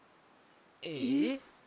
えっ？